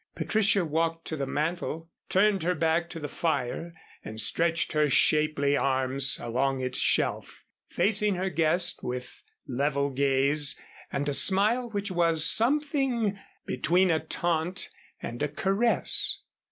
Patricia walked to the mantel, turned her back to the fire and stretched her shapely arms along its shelf, facing her guest with level gaze and a smile which was something between a taunt and a caress.